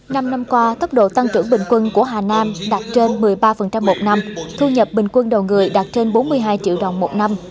năm năm qua tốc độ tăng trưởng bình quân của hà nam đạt trên một mươi ba một năm thu nhập bình quân đầu người đạt trên bốn mươi hai triệu đồng một năm